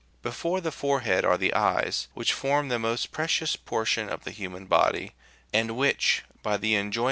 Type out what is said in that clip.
Below the forehead are the eyes, which form the most pre cious portion of the human body, and which, by the enjoyment 87 B.